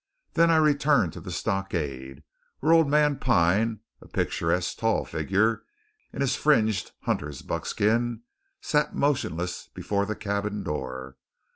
Then I returned to the stockade, where old man Pine, a picturesque, tall figure in his fringed hunter's buckskin, sat motionless before the cabin door.